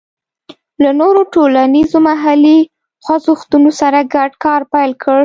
له نورو ټولنیزو محلي خوځښتونو سره ګډ کار پیل کړ.